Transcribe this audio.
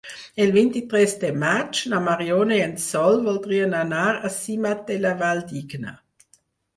El vint-i-tres de maig na Mariona i en Sol voldrien anar a Simat de la Valldigna.